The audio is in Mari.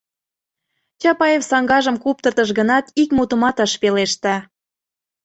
Чапаев саҥгажым куптыртыш гынат, ик мутымат ыш пелеште.